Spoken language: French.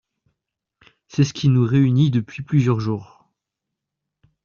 C’est ce qui nous réunit depuis plusieurs jours.